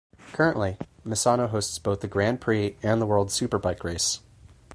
Currently, Misano hosts both the Grand Prix and the World Superbike Race.